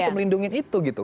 mereka melindungi itu gitu